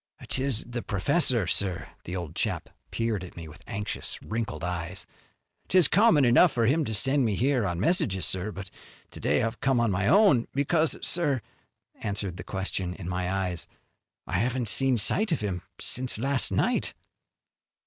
"'Tis the professor, sir." The old chap peered at me with anxious, wrinkled eyes. "'Tis common enough for him to send me here on messages, sir, but to day I've come on my own, because, sir," answering the question in my eyes, "I haven't seen sight of him since last night."